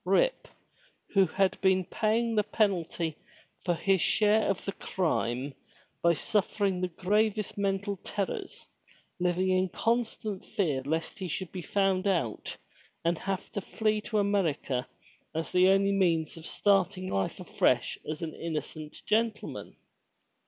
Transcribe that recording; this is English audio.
Rip, who had been paying the penalty for his share of the crime by suffering the gravest mental terrors, living in constant fear lest he should be found out and have to flee to America ai the only means of starting life afresh as an innocent gentleman.